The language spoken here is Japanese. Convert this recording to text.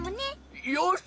よし！